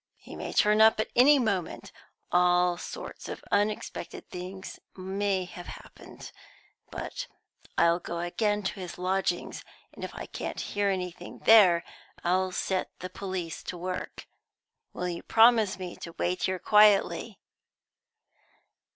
"He may turn up at any moment; all sorts of unexpected things may have happened. But I'll go again to his lodgings, and if I can't hear anything there, I'll set the police to work. Will you promise me to wait here quietly?"